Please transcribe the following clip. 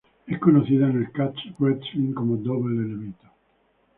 Es conocida en el catch wrestling como "double elevator".